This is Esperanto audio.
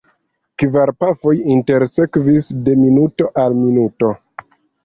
Kvar pafoj intersekvis de minuto al minuto.